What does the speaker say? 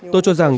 tôi cho rằng